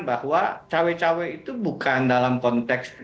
bahwa cawe cawe itu bukan dalam konteks